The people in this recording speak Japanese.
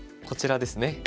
こちらですね。